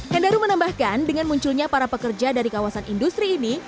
hendaru menambahkan dengan munculnya para pekerja dari kawasan industri ini